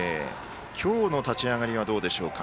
今日の立ち上がりはどうでしょうか。